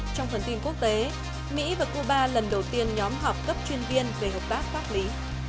trong phần tin quốc tế mỹ và cuba lần đầu tiên nhóm họp cấp chuyên viên về hợp tác pháp lý